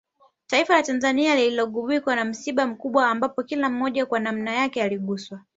Taifa la Tanzania liligubikwa na msiba mkubwa ambapo kila mmoja kwa nanma yake aliguswa